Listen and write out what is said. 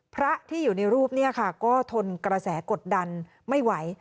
พระที่อยู่ในรูปเนี่ยค่ะก็ทนกระแสกดดันไม่ไหว